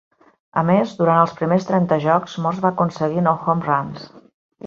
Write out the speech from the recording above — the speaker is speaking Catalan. A més, durant els primers trenta jocs, Morse va aconseguir nou "home runs".